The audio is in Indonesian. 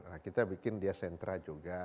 nah kita bikin dia sentra juga